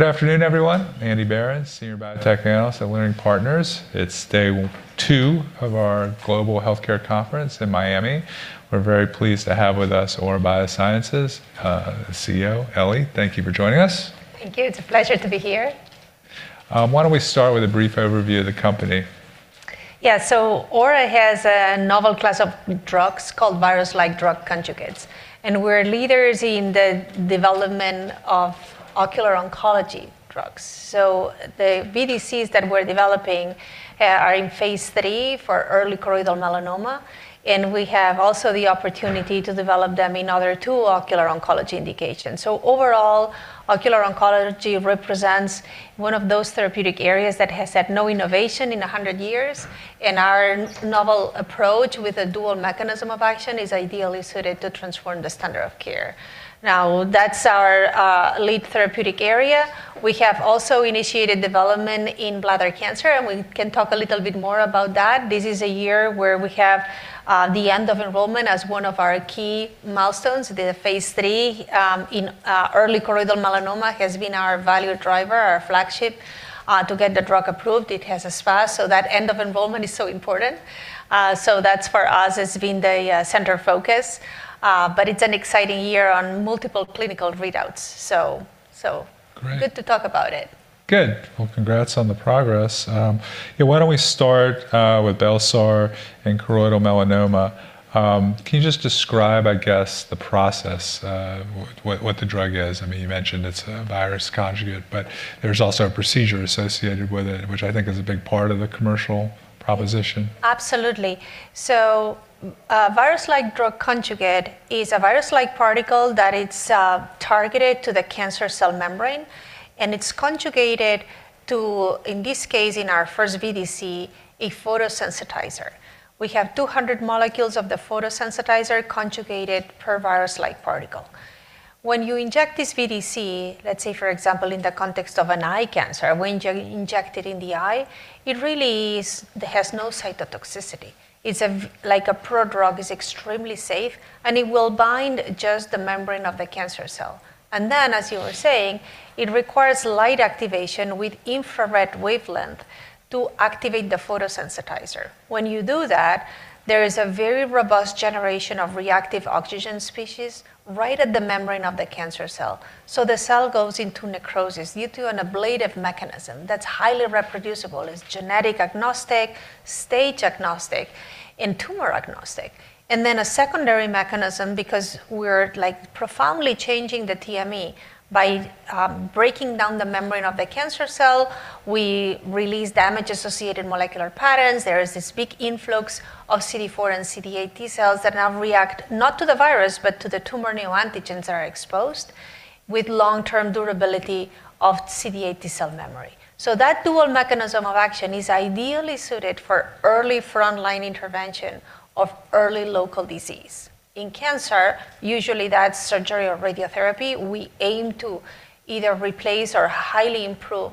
Good afternoon, everyone. Andrew Berens, Senior Research Analyst at Leerink Partners. It's day two of our Global Healthcare Conference in Miami. We're very pleased to have with us Aura Biosciences CEO, Elisabet de los Pinos. Thank you for joining us. Thank you. It's a pleasure to be here. Why don't we start with a brief overview of the company? Yeah. Aura has a novel class of drugs called virus-like drug conjugates, and we're leaders in the development of ocular oncology drugs. The VDCs that we're developing are in phase III for early choroidal melanoma, and we have also the opportunity to develop them in other two ocular oncology indications. Overall, ocular oncology represents one of those therapeutic areas that has had no innovation in 100 years, and our novel approach with a dual mechanism of action is ideally suited to transform the standard of care. Now, that's our lead therapeutic area. We have also initiated development in bladder cancer, and we can talk a little bit more about that. This is a year where we have the end of enrollment as one of our key milestones. The phase III in early choroidal melanoma has been our value driver, our flagship to get the drug approved. It has an SPA, so that end of enrollment is so important. That's for us has been the central focus, but it's an exciting year on multiple clinical readouts. Great. Good to talk about it. Good. Well, congrats on the progress. Yeah, why don't we start with bel-sar and choroidal melanoma. Can you just describe, I guess, the process, what the drug is? I mean, you mentioned it's a virus conjugate, but there's also a procedure associated with it, which I think is a big part of the commercial proposition. Absolutely. A virus-like drug conjugate is a virus-like particle that it's targeted to the cancer cell membrane, and it's conjugated to, in this case, in our first VDC, a photosensitizer. We have 200 molecules of the photosensitizer conjugated per virus-like particle. When you inject this VDC, let's say for example in the context of an eye cancer, when you inject it in the eye, it really is. It has no cytotoxicity. It's like a prodrug. It's extremely safe, and it will bind just the membrane of the cancer cell. As you were saying, it requires light activation with infrared wavelength to activate the photosensitizer. When you do that, there is a very robust generation of reactive oxygen species right at the membrane of the cancer cell. The cell goes into necrosis due to an ablative mechanism that's highly reproducible. It's genetic agnostic, stage agnostic, and tumor agnostic. A secondary mechanism because we're, like, profoundly changing the TME. By breaking down the membrane of the cancer cell, we release damage-associated molecular patterns. There is this big influx of CD4 and CD8 T cells that now react, not to the virus, but to the tumor neoantigens that are exposed with long-term durability of CD8 T-cell memory. That dual mechanism of action is ideally suited for early frontline intervention of early local disease. In cancer, usually that's surgery or radiotherapy. We aim to either replace or highly improve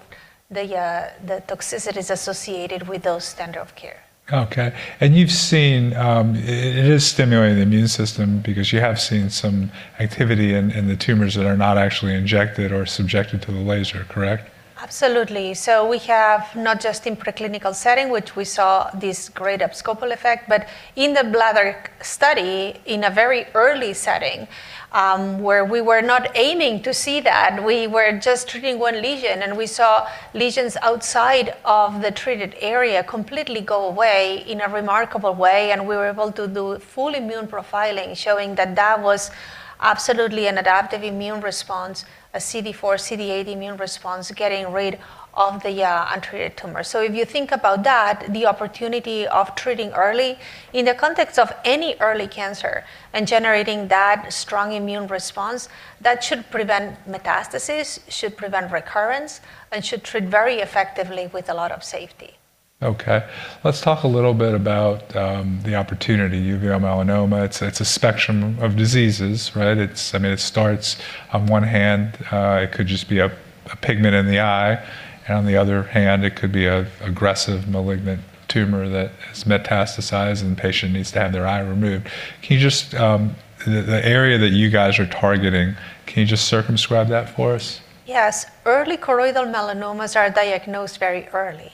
the toxicities associated with those standard of care. Okay. You've seen it is stimulating the immune system because you have seen some activity in the tumors that are not actually injected or subjected to the laser, correct? Absolutely. We have not just in preclinical setting, which we saw this great abscopal effect, but in the bladder study in a very early setting, where we were not aiming to see that, and we were just treating one lesion, and we saw lesions outside of the treated area completely go away in a remarkable way, and we were able to do full immune profiling showing that that was absolutely an adaptive immune response, a CD4, CD8 immune response getting rid of the, untreated tumor. If you think about that, the opportunity of treating early in the context of any early cancer and generating that strong immune response, that should prevent metastasis, should prevent recurrence, and should treat very effectively with a lot of safety. Okay. Let's talk a little bit about the opportunity. Uveal melanoma, it's a spectrum of diseases, right? It's, I mean, it starts on one hand, it could just be a pigment in the eye, and on the other hand, it could be a aggressive malignant tumor that has metastasized and the patient needs to have their eye removed. Can you just circumscribe the area that you guys are targeting for us? Yes. Early choroidal melanomas are diagnosed very early.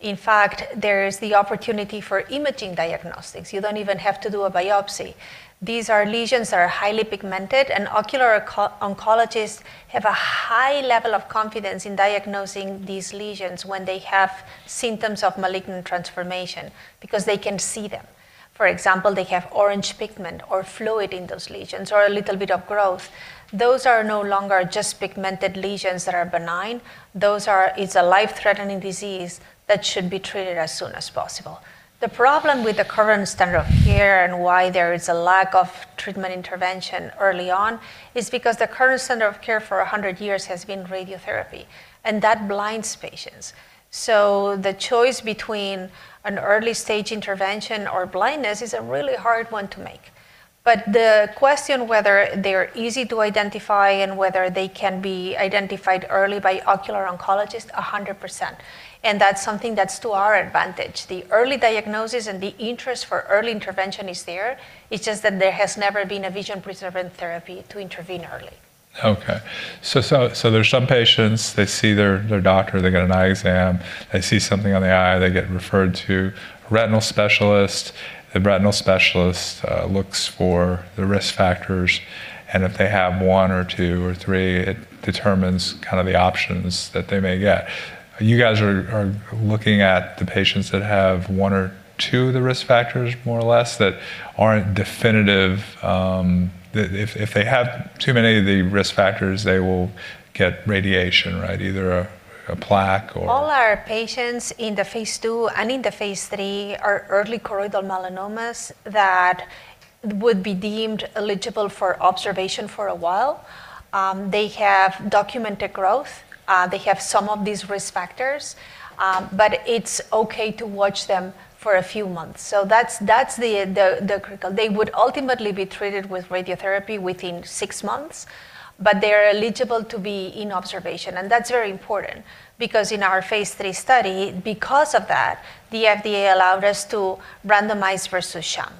In fact, there is the opportunity for imaging diagnostics. You don't even have to do a biopsy. These are lesions that are highly pigmented, and ocular oncologists have a high level of confidence in diagnosing these lesions when they have symptoms of malignant transformation. Because they can see them. For example, they have orange pigment or fluid in those lesions, or a little bit of growth. Those are no longer just pigmented lesions that are benign. Those are. It's a life-threatening disease that should be treated as soon as possible. The problem with the current standard of care and why there is a lack of treatment intervention early on is because the current standard of care for 100 years has been radiotherapy, and that blinds patients. The choice between an early-stage intervention or blindness is a really hard one to make. The question whether they're easy to identify and whether they can be identified early by ocular oncologist, 100%, and that's something that's to our advantage. The early diagnosis and the interest for early intervention is there. It's just that there has never been a vision-preserving therapy to intervene early. There's some patients. They see their doctor. They get an eye exam. They see something on the eye. They get referred to retinal specialist. The retinal specialist looks for the risk factors, and if they have one or two or three, it determines kind of the options that they may get. You guys are looking at the patients that have one or two of the risk factors, more or less, that aren't definitive, that if they have too many of the risk factors, they will get radiation, right? Either a plaque or All our patients in the phase II and in the phase III are early choroidal melanomas that would be deemed eligible for observation for a while. They have documented growth. They have some of these risk factors, but it's okay to watch them for a few months. That's the critical. They would ultimately be treated with radiotherapy within six months, but they're eligible to be in observation. That's very important because in our phase III study, because of that, the FDA allowed us to randomize versus sham.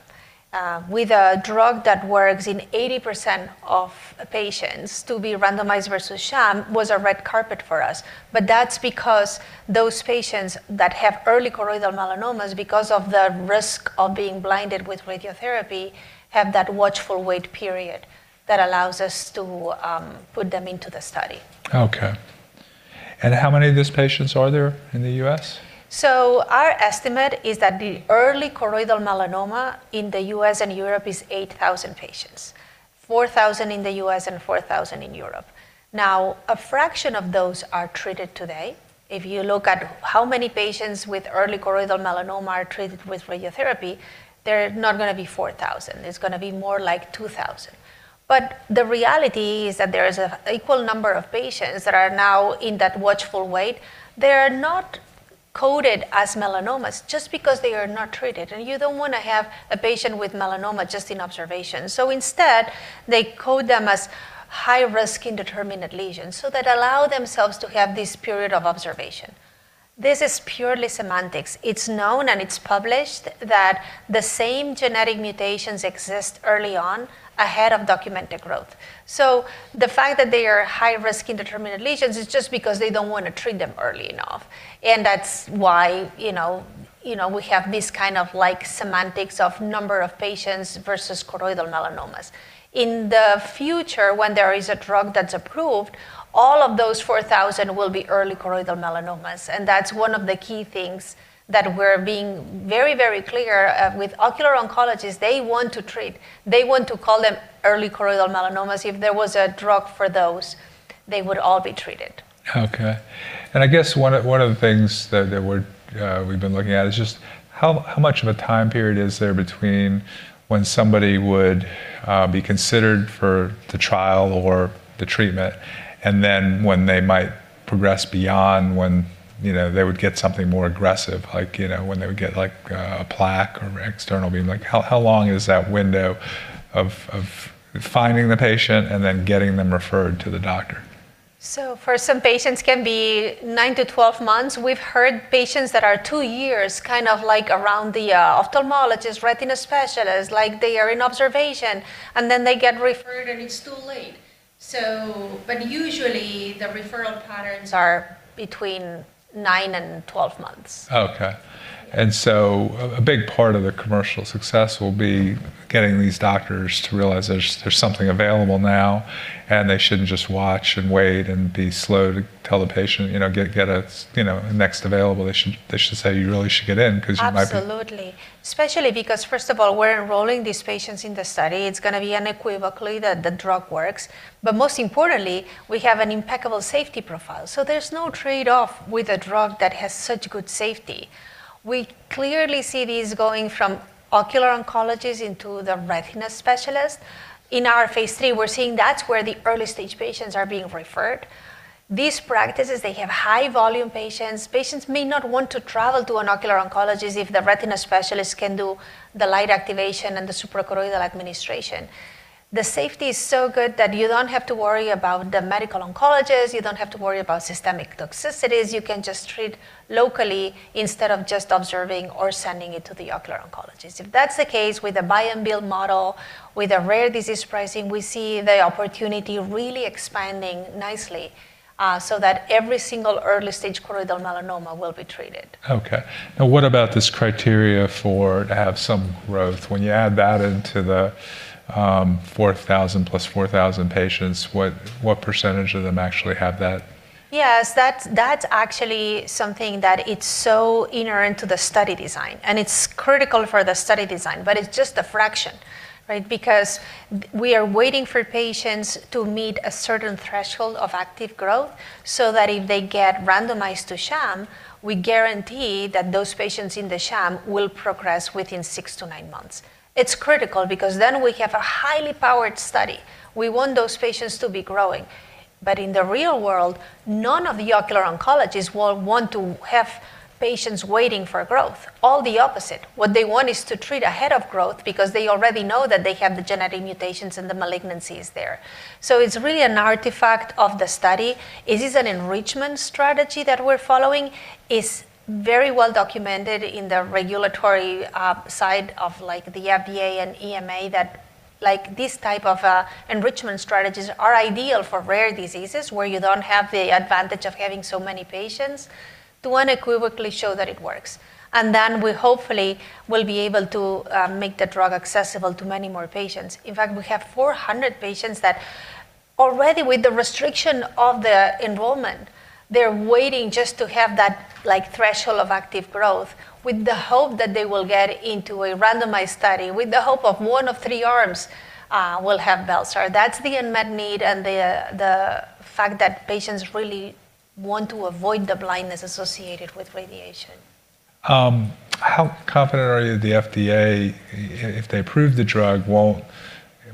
With a drug that works in 80% of patients to be randomized versus sham was a red carpet for us. That's because those patients that have early choroidal melanomas, because of the risk of being blinded with radiotherapy, have that watch and wait period that allows us to put them into the study. Okay. How many of these patients are there in the U.S.? Our estimate is that the early choroidal melanoma in the U.S. and Europe is 8,000 patients. 4,000 in the U.S. and 4,000 in Europe. Now, a fraction of those are treated today. If you look at how many patients with early choroidal melanoma are treated with radiotherapy, they're not gonna be 4,000. It's gonna be more like 2,000. The reality is that there is a equal number of patients that are now in that watchful wait. They're not coded as melanomas just because they are not treated, and you don't wanna have a patient with melanoma just in observation. Instead, they code them as high-risk indeterminate lesions so that allow themselves to have this period of observation. This is purely semantics. It's known and it's published that the same genetic mutations exist early on ahead of documented growth. The fact that they are high-risk indeterminate lesions is just because they don't wanna treat them early enough, and that's why, you know, we have this kind of like semantics of number of patients versus choroidal melanomas. In the future, when there is a drug that's approved, all of those 4,000 will be early choroidal melanomas, and that's one of the key things that we're being very, very clear with ocular oncologists. They want to treat. They want to call them early choroidal melanomas. If there was a drug for those, they would all be treated. Okay. I guess one of the things that we've been looking at is just how much of a time period is there between when somebody would be considered for the trial or the treatment, and then when they might progress beyond when, you know, they would get something more aggressive, like, you know, when they would get like a plaque or external beam. Like, how long is that window of finding the patient and then getting them referred to the doctor? For some patients can be 9-12 months. We've heard patients that are two years kind of like around the ophthalmologist, retina specialist, like they are in observation, and then they get referred, and it's too late. Usually the referral patterns are between nine and 12 months. Okay. A big part of the commercial success will be getting these doctors to realize there's something available now, and they shouldn't just watch and wait and be slow to tell the patient, you know, next available. They should say, "You really should get in because you might be. Absolutely. Especially because first of all, we're enrolling these patients in the study. It's gonna be unequivocally that the drug works. Most importantly, we have an impeccable safety profile. There's no trade-off with a drug that has such good safety. We clearly see this going from ocular oncologists into the retina specialist. In our phase III, we're seeing that's where the early-stage patients are being referred. These practices, they have high volume patients. Patients may not want to travel to an ocular oncologist if the retina specialist can do the light activation and the suprachoroidal administration. The safety is so good that you don't have to worry about the medical oncologist, you don't have to worry about systemic toxicities. You can just treat locally instead of just observing or sending it to the ocular oncologist. If that's the case with a buy and bill model, with a rare disease pricing, we see the opportunity really expanding nicely, so that every single early-stage choroidal melanoma will be treated. Okay. Now what about this criteria for to have some growth? When you add that into the 4,000 + 4,000 patients, what percentage of them actually have that? Yes. That's actually something that it's so inherent to the study design, and it's critical for the study design, but it's just a fraction, right? We are waiting for patients to meet a certain threshold of active growth so that if they get randomized to sham, we guarantee that those patients in the sham will progress within 6-9 months. It's critical because then we have a highly powered study. We want those patients to be growing. In the real world, none of the ocular oncologists will want to have patients waiting for growth. All the opposite. What they want is to treat ahead of growth because they already know that they have the genetic mutations and the malignancies there. It's really an artifact of the study. It is an enrichment strategy that we're following. It's very well documented in the regulatory side of like the FDA and EMA that like these type of enrichment strategies are ideal for rare diseases where you don't have the advantage of having so many patients to unequivocally show that it works. We hopefully will be able to make the drug accessible to many more patients. In fact, we have 400 patients that already with the restriction of the enrollment, they're waiting just to have that, like, threshold of active growth with the hope that they will get into a randomized study, with the hope of one of three arms will have bel-sar. That's the unmet need and the fact that patients really want to avoid the blindness associated with radiation. How confident are you the FDA, if they approve the drug,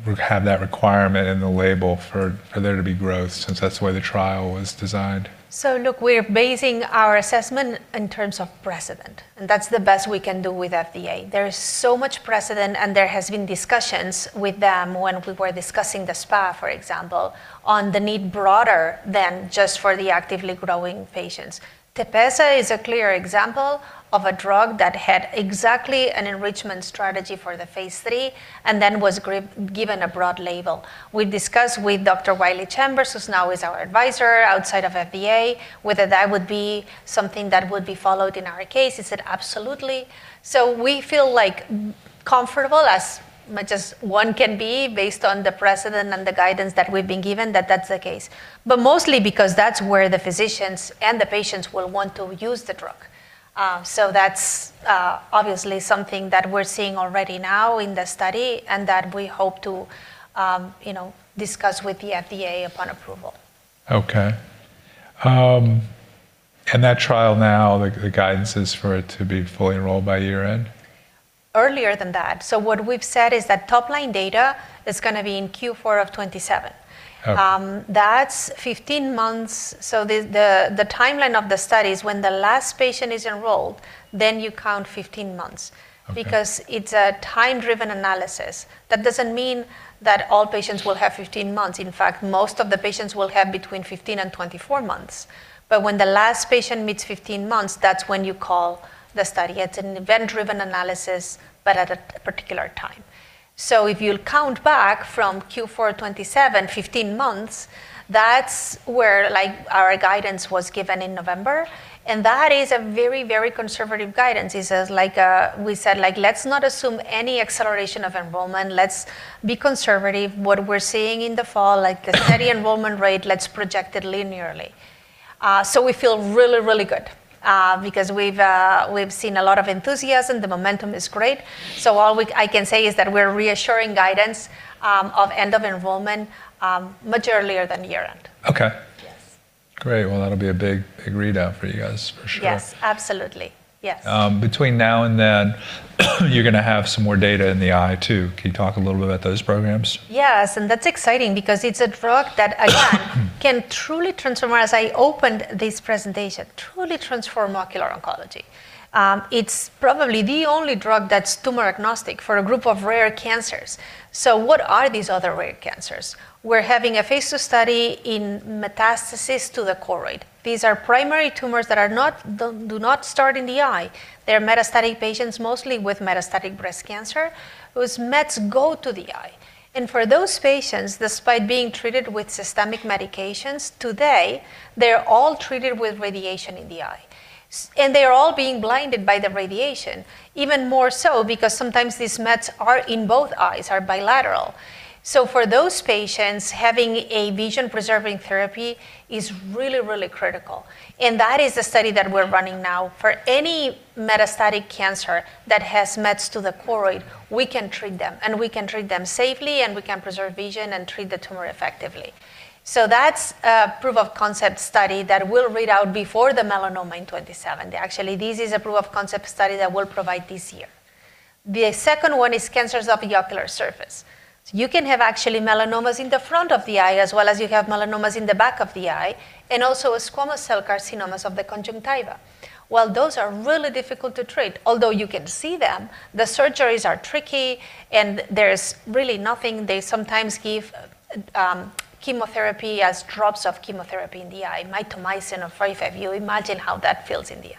won't have that requirement in the label for there to be growth since that's the way the trial was designed? Look, we're basing our assessment in terms of precedent, and that's the best we can do with FDA. There is so much precedent, and there has been discussions with them when we were discussing the SPA, for example, on the need broader than just for the actively growing patients. Tepezza is a clear example of a drug that had exactly an enrichment strategy for the phase III and then was given a broad label. We discussed with Dr. Wiley Chambers, who's now is our advisor outside of FDA, whether that would be something that would be followed in our case. He said, "Absolutely." We feel, like, comfortable as much as one can be based on the precedent and the guidance that we've been given that that's the case. But mostly because that's where the physicians and the patients will want to use the drug. That's obviously something that we're seeing already now in the study and that we hope to, you know, discuss with the FDA upon approval. Okay. That trial now, the guidance is for it to be fully enrolled by year-end? Earlier than that. What we've said is that top line data is gonna be in Q4 of 2027. Okay. That's 15 months. The timeline of the study is when the last patient is enrolled, then you count 15 months. Okay. Because it's a time-driven analysis. That doesn't mean that all patients will have 15 months. In fact, most of the patients will have between 15 and 24 months. When the last patient meets 15 months, that's when you call the study. It's an event-driven analysis, but at a particular time. If you'll count back from Q4 2027, 15 months, that's where, like, our guidance was given in November, and that is a very, very conservative guidance. It says like, we said, like, "Let's not assume any acceleration of enrollment. Let's be conservative. What we're seeing in the fall, like, the steady enrollment rate, let's project it linearly." We feel really, really good, because we've seen a lot of enthusiasm. The momentum is great. All I can say is that we're reaffirming guidance of end of enrollment much earlier than year-end. Okay. Yes. Great. Well, that'll be a big, big readout for you guys for sure. Yes. Absolutely. Yes. Between now and then, you're gonna have some more data in the eye too. Can you talk a little bit about those programs? Yes. That's exciting because it's a drug that, again, can truly transform, as I opened this presentation, truly transform ocular oncology. It's probably the only drug that's tumor agnostic for a group of rare cancers. What are these other rare cancers? We're having a phase II study in metastasis to the choroid. These are primary tumors that do not start in the eye. They're metastatic patients, mostly with metastatic breast cancer, whose mets go to the eye. For those patients, despite being treated with systemic medications, today they're all treated with radiation in the eye. They're all being blinded by the radiation, even more so because sometimes these mets are in both eyes, are bilateral. For those patients, having a vision-preserving therapy is really, really critical. That is a study that we're running now. For any metastatic cancer that has mets to the choroid, we can treat them, and we can treat them safely, and we can preserve vision and treat the tumor effectively. That's a proof of concept study that will read out before the melanoma in 2027. Actually, this is a proof of concept study that we'll provide this year. The second one is cancers of the ocular surface. You can have actually melanomas in the front of the eye as well as you have melanomas in the back of the eye, and also squamous cell carcinomas of the conjunctiva. Well, those are really difficult to treat, although you can see them. The surgeries are tricky, and there's really nothing. They sometimes give chemotherapy as drops of chemotherapy in the eye, mitomycin or 5-FU. Imagine how that feels in the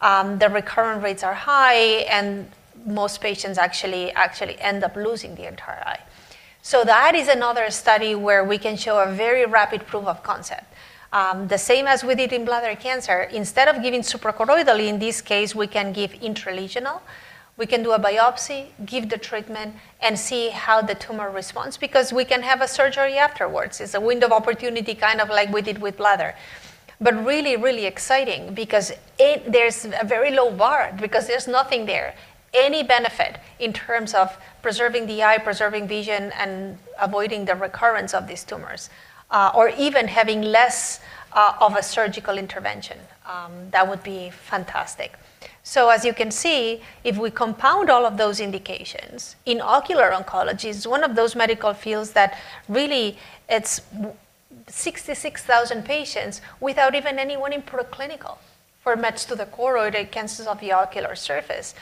eye. The recurrence rates are high, and most patients actually end up losing the entire eye. That is another study where we can show a very rapid proof of concept. The same as we did in bladder cancer. Instead of giving suprachoroidally, in this case, we can give intralesional. We can do a biopsy, give the treatment, and see how the tumor responds because we can have a surgery afterwards. It's a window of opportunity, kind of like we did with bladder. Really exciting because there's a very low bar because there's nothing there. Any benefit in terms of preserving the eye, preserving vision, and avoiding the recurrence of these tumors, or even having less of a surgical intervention, that would be fantastic. As you can see, if we compound all of those indications in ocular oncology, it's one of those medical fields that really it's 66,000 patients without even anyone in preclinical for mets to the choroid or cancers of the ocular surface.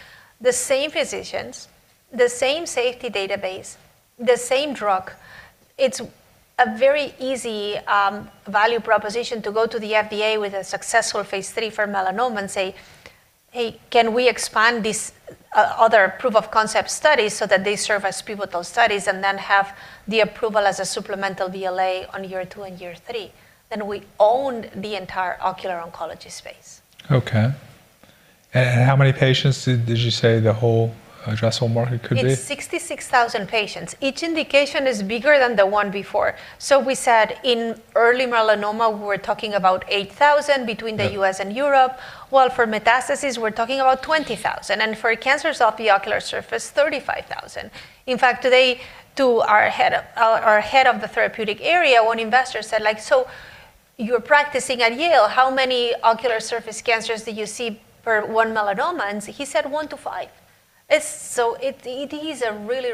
The same physicians, the same safety database, the same drug. It's a very easy value proposition to go to the FDA with a successful phase III for melanoma and say, "Hey, can we expand this other proof-of-concept studies so that they serve as pivotal studies and then have the approval as a supplemental BLA on year two and year three?" Then we own the entire ocular oncology space. Okay. How many patients did you say the whole addressable market could be? It's 66,000 patients. Each indication is bigger than the one before. We said in early melanoma, we're talking about 8,000 between the- Yeah U.S. and Europe, while for metastasis, we're talking about 20,000, and for cancers of the ocular surface, 35,000. In fact, today to our head of the therapeutic area, one investor said like, "So you're practicing at Yale. How many ocular surface cancers do you see per one melanoma?" And he said, "1-5." It is a really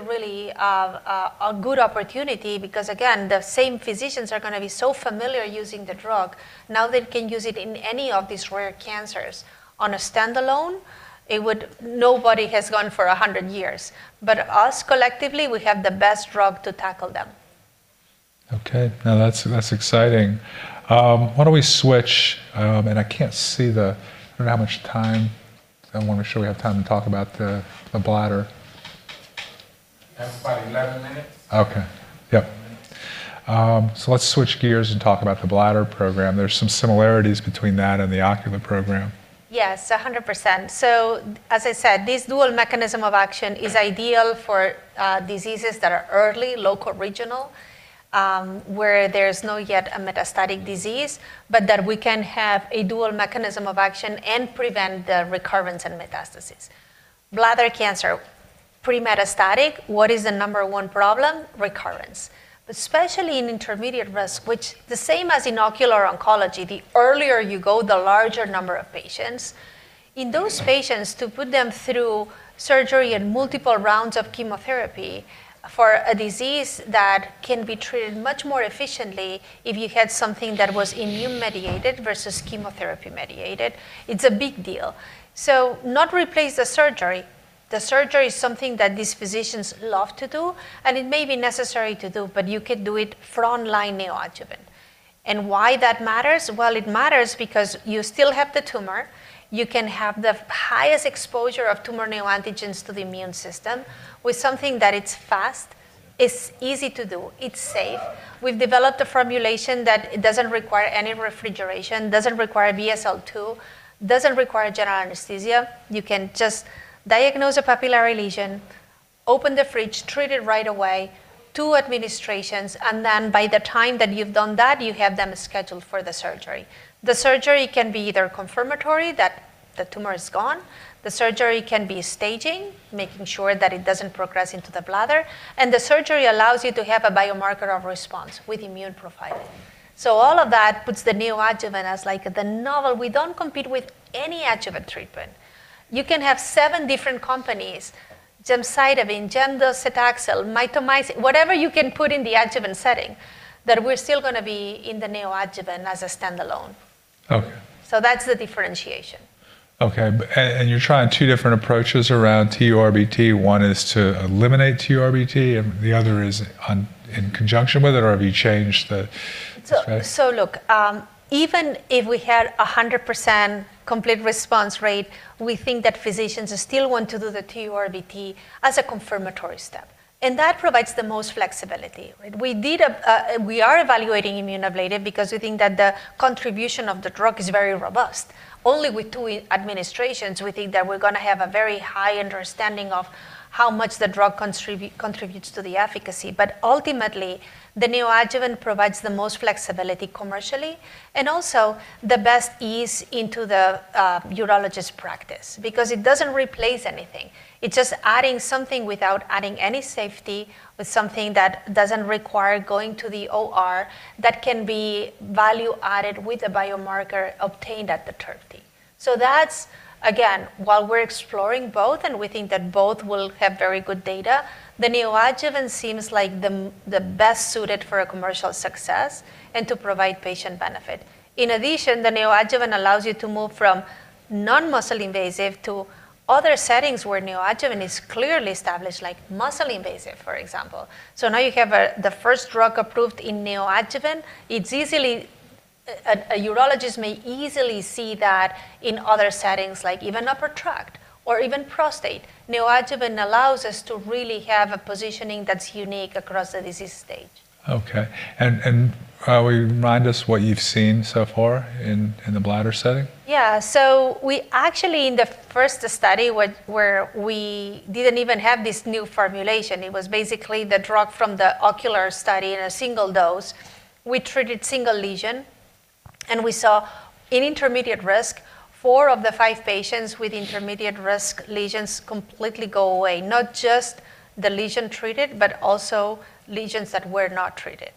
good opportunity because again, the same physicians are gonna be so familiar using the drug. Now they can use it in any of these rare cancers. On a standalone, it would nobody has gone for 100 years. us collectively, we have the best drug to tackle them. Okay. No, that's exciting. Why don't we switch, and I don't know how much time. I want to make sure we have time to talk about the bladder. About 11 minutes. Okay. Yep. Let's switch gears and talk about the bladder program. There's some similarities between that and the ocular program. Yes, 100%. As I said, this dual mechanism of action is ideal for diseases that are early, local regional, where there's not yet a metastatic disease, but that we can have a dual mechanism of action and prevent the recurrence and metastasis. Bladder cancer, pre-metastatic, what is the number one problem? Recurrence. Especially in intermediate risk, which is the same as in ocular oncology, the earlier you go, the larger number of patients. In those patients, to put them through surgery and multiple rounds of chemotherapy for a disease that can be treated much more efficiently if you had something that was immune mediated versus chemotherapy mediated, it's a big deal. Not replace the surgery. The surgery is something that these physicians love to do, and it may be necessary to do, but you could do it for only neoadjuvant. Why that matters? Well, it matters because you still have the tumor. You can have the highest exposure of tumor neoantigens to the immune system with something that it's fast, it's easy to do, it's safe. We've developed a formulation that it doesn't require any refrigeration, doesn't require BSL-2, doesn't require general anesthesia. You can just diagnose a papillary lesion, open the fridge, treat it right away, two administrations, and then by the time that you've done that, you have them scheduled for the surgery. The surgery can be either confirmatory that the tumor is gone. The surgery can be staging, making sure that it doesn't progress into the bladder, and the surgery allows you to have a biomarker of response with immune profiling. All of that puts the neoadjuvant as like the novel. We don't compete with any adjuvant treatment. You can have seven different companies, gemcitabine, docetaxel, mitomycin, whatever you can put in the adjuvant setting, that we're still gonna be in the neoadjuvant as a standalone. Okay. That's the differentiation. You're trying two different approaches around TURBT. One is to eliminate TURBT and the other is in conjunction with it, or have you changed the strategy? Look, even if we had 100% complete response rate, we think that physicians still want to do the TURBT as a confirmatory step. That provides the most flexibility. We are evaluating immunoablative because we think that the contribution of the drug is very robust. Only with two administrations, we think that we're gonna have a very high understanding of how much the drug contributes to the efficacy. Ultimately, the neoadjuvant provides the most flexibility commercially and also the best ease into the urologist practice because it doesn't replace anything. It's just adding something without adding any safety with something that doesn't require going to the OR that can be value added with a biomarker obtained at the TURBT. That's again, while we're exploring both and we think that both will have very good data, the neoadjuvant seems like the best suited for a commercial success and to provide patient benefit. In addition, the neoadjuvant allows you to move from non-muscle invasive to other settings where neoadjuvant is clearly established, like muscle invasive, for example. Now you have the first drug approved in neoadjuvant. It's easy. A urologist may easily see that in other settings, like even upper tract or even prostate. Neoadjuvant allows us to really have a positioning that's unique across the disease stage. Will you remind us what you've seen so far in the bladder setting? Yeah. We actually in the first study where we didn't even have this new formulation, it was basically the drug from the ocular study in a single dose. We treated single lesion, and we saw in intermediate risk, four of the five patients with intermediate risk lesions completely go away, not just the lesion treated, but also lesions that were not treated.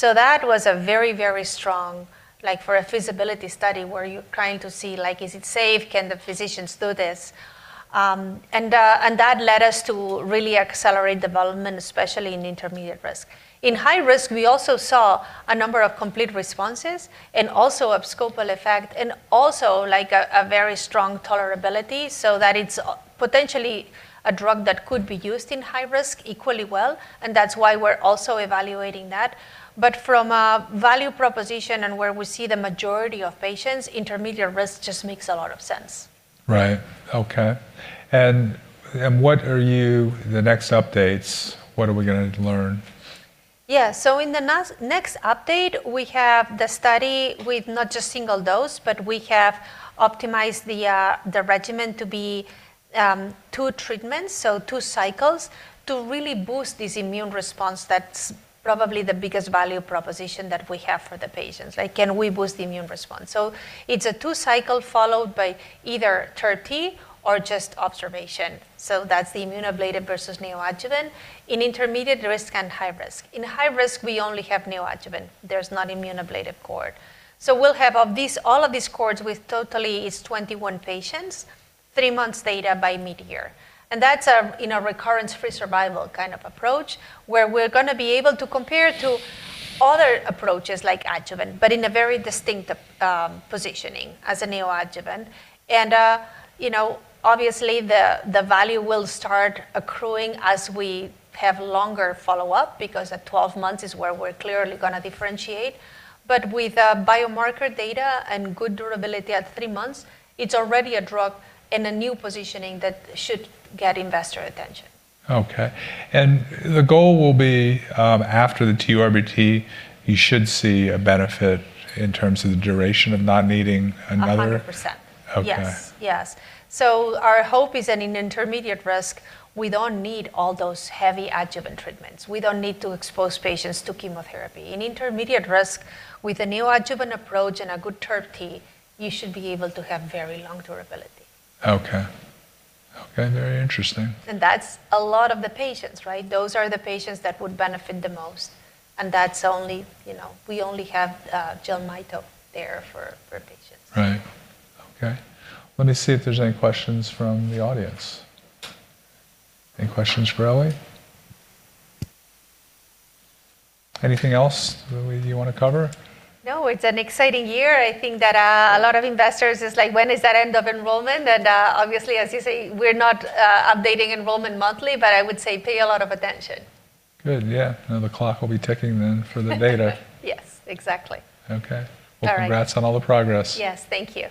That was a very, very strong, like for a feasibility study where you're trying to see, like, is it safe? Can the physicians do this? That led us to really accelerate development, especially in intermediate risk. In high risk, we also saw a number of complete responses and also abscopal effect and also like a very strong tolerability, so that it's potentially a drug that could be used in high risk equally well, and that's why we're also evaluating that. From a value proposition and where we see the majority of patients, intermediate risk just makes a lot of sense. Right. Okay, what are the next updates? What are we gonna learn? Yeah. In the next update, we have the study with not just single dose, but we have optimized the regimen to be two treatments, so two cycles to really boost this immune response that's probably the biggest value proposition that we have for the patients, like, can we boost the immune response? It's a two cycle followed by either TURBT or just observation. That's the immunoablative versus neoadjuvant in intermediate risk and high risk. In high risk, we only have neoadjuvant. There's not immunoablative cohort. We'll have of these, all of these cohorts with a total of 21 patients, three months data by mid-year. That's in a recurrence-free survival kind of approach, where we're gonna be able to compare to other approaches like adjuvant, but in a very distinctive positioning as a neoadjuvant. You know, obviously, the value will start accruing as we have longer follow-up because at 12 months is where we're clearly gonna differentiate. With biomarker data and good durability at three months, it's already a drug in a new positioning that should get investor attention. Okay. The goal will be, after the TURBT, you should see a benefit in terms of the duration of not needing another. 100%. Okay. Yes. Yes. Our hope is that in intermediate risk, we don't need all those heavy adjuvant treatments. We don't need to expose patients to chemotherapy. In intermediate risk, with a neoadjuvant approach and a good TURBT, you should be able to have very long durability. Okay. Okay, very interesting. That's a lot of the patients, right? Those are the patients that would benefit the most, and that's only, you know, we only have Gemcitabine there for patients. Right. Okay. Let me see if there's any questions from the audience. Any questions, Grelli? Anything else that we, you wanna cover? No. It's an exciting year. I think that, a lot of investors is like, "When is that end of enrollment?" Obviously, as you say, we're not updating enrollment monthly, but I would say pay a lot of attention. Good. Yeah. Now the clock will be ticking then for the data. Yes, exactly. Okay. All right. Well, congrats on all the progress. Yes, thank you.